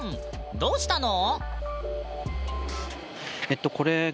どうしたの？